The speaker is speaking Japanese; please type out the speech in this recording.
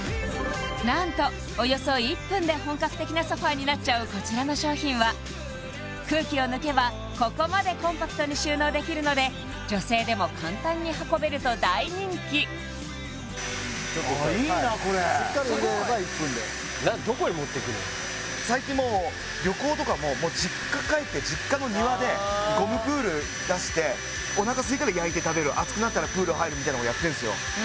何とおよそ１分で本格的なソファーになっちゃうこちらの商品は空気を抜けばここまでコンパクトに収納できるので女性でも簡単に運べると大人気あっいいなこれしっかり入れれば１分で最近もう旅行とかももう実家帰って実家の庭でゴムプール出しておなかすいたら焼いて食べる暑くなったらプール入るみたいなことやってるんですよ